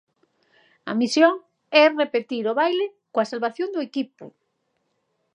A misión é repetir o baile coa salvación do equipo.